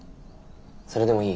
それでもいい？